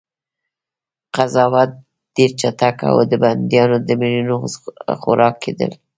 قضاوت ډېر چټک و او بندیان د مرمیو خوراک کېدل